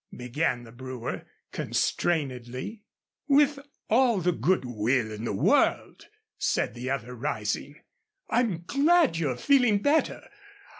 began the brewer, constrainedly. "With all the good will in the world," said the other, rising. "I'm glad you're feeling better.